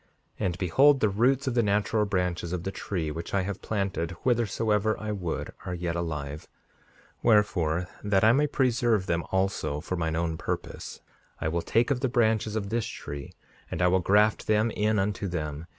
5:54 And, behold, the roots of the natural branches of the tree which I planted whithersoever I would are yet alive; wherefore, that I may preserve them also for mine own purpose, I will take of the branches of this tree, and I will graft them in unto them.